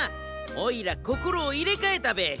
おいらこころをいれかえたべえ。